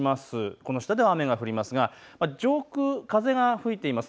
この下で雨が降りますが上空、風が吹いています。